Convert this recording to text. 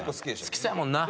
好きそうやもんな。